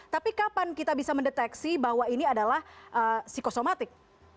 tapi kapan kita bisa mendeteksi bahwa ini adalah psikosomatik